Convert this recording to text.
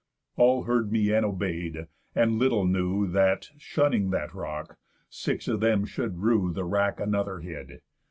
All heard me and obey'd, and little knew That, shunning that rock, six of them should rue The wrack another hid.